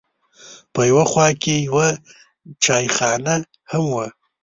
په یوه خوا کې یوه چایخانه هم وه.